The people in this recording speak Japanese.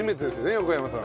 横山さん。